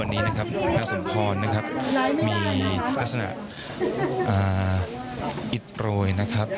วันนี้นะครับพระสมพรนะครับมีลักษณะอิดโรยนะครับ